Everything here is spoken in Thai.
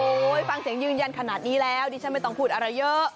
ฟังเสียงยืนยันขนาดนี้แล้วดิฉันไม่ต้องพูดอะไรเยอะ